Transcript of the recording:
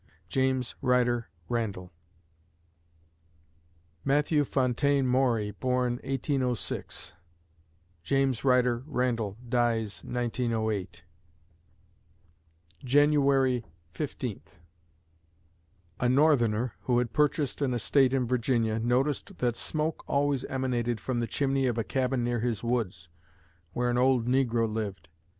JAMES RYDER RANDALL Matthew Fontaine Maury born, 1806 James Ryder Randall dies, 1908 January Fifteenth A Northerner, who had purchased an estate in Virginia, noticed that smoke always emanated from the chimney of a cabin near his woods where an old negro lived.